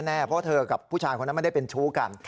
เพราะเธอกับผู้ชายคนนั้นไม่ได้เป็นชู้กัน